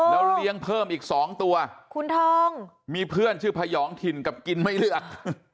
แล้วเลี้ยงเพิ่มอีกสองตัวคุณทองมีเพื่อนชื่อพยองถิ่นกับกินไม่เลือก